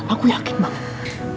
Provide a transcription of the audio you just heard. aku yakin banget